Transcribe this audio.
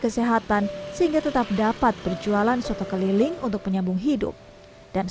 kesehatan sehingga tetap dapat berjualan soto keliling untuk menyambung hidup dan